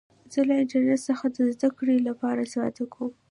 زه له انټرنټ څخه د زدهکړي له پاره استفاده کوم.